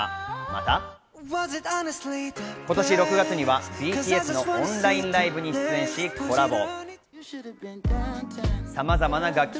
また今年６月にはＢＴＳのオンラインライブに出演し、コラボ。